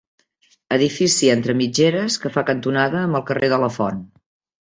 Edifici entre mitgeres, que fa cantonada amb el carrer de la Font.